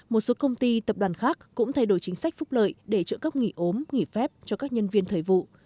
một số công ty tập đoàn khác cũng thay đổi chính sách phúc lợi để trợ cấp nghỉ ốm nghỉ phép cho các nhân viên thời vụ